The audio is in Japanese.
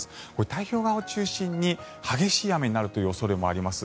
太平洋側を中心に激しい雨になる恐れもあります。